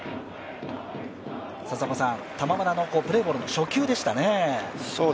玉村のプレーボールの初球でしたね。